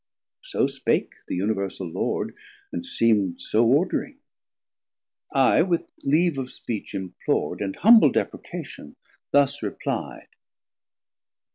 So spake the Universal Lord, and seem'd So ordering. I with leave of speech implor'd, And humble deprecation thus repli'd.